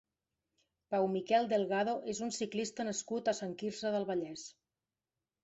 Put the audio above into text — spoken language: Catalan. Pau Miquel Delgado és un ciclista nascut a Sant Quirze del Vallès.